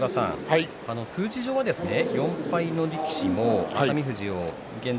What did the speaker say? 数字上は４敗の力士も熱海富士を現状